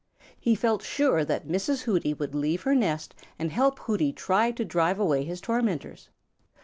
He felt sure that Mrs. Hooty would leave her nest and help Hooty try to drive away his tormentors.